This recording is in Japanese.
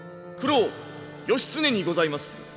郎義経にございます。